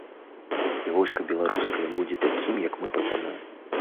І войска беларускае будзе такім, як мы прапануем.